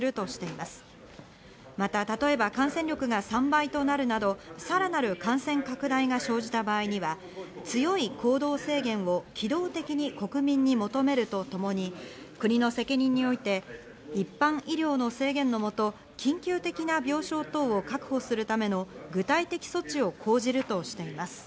また、例えば感染力が３倍となるなどさらなる感染拡大が生じた場合には、強い行動制限を機動的に国民に求めるとともに、国の責任において一般医療の制限のもと、緊急的な病床等を確保するための具体的措置を講じるとしています。